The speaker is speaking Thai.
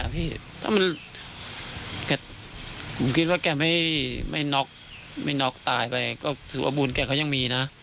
ถ้าผมคิดว่าแกไม่น็อกไม่น็อกตายไปก็ถือว่าบุญแกเขายังมีนะ